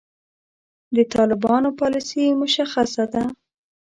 د طالبانو پالیسي مشخصه ده.